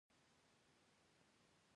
خر د هغه لپاره ډیر کار کاوه.